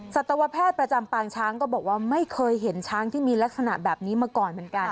สัตวแพทย์ประจำปางช้างก็บอกว่าไม่เคยเห็นช้างที่มีลักษณะแบบนี้มาก่อนเหมือนกัน